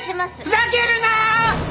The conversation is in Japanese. ふざけるなーっ！